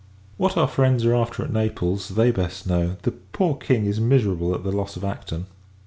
What our friends are after at Naples, they best know. The poor King is miserable at the loss of Acton.